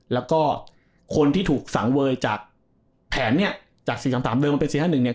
แล้วก็คนที่ถูกสังเวยจากแผนเนี่ยจาก๔๓๓เดิมมาเป็น๔๕๑เนี่ย